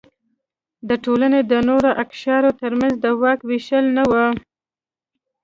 د ټولنې د نورو اقشارو ترمنځ د واک وېشل نه و.